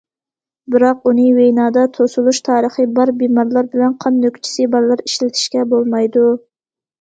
بىراق ئۇنى ۋېنادا توسۇلۇش تارىخى بار بىمارلار بىلەن قان نۆكچىسى بارلار ئىشلىتىشكە بولمايدۇ.